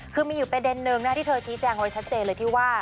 คือมีอยู่ประเด็นนึงนะที่เธอชี้แจงไว้ชัดเจนเลยที่ว่า